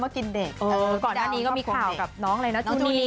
ปีเด้อนนี้ก็มีข่าวกับน้องเลยนะทุเนีย